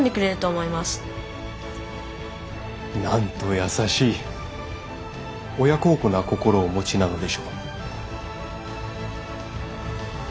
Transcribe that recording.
なんと優しい親孝行な心をお持ちなのでしょう。